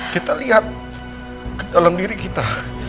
kita lihat dalam diri kita